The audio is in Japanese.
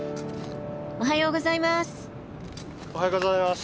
おはようございます。